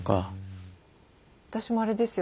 私もあれですよ